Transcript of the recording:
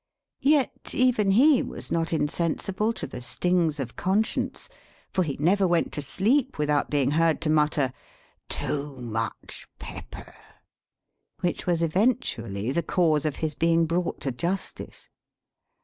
Yet even he was not insensible to the stings of conscience, for he never went to sleep without being heard to mutter, "Too much pepper!" which was eventually the cause of his being brought to justice.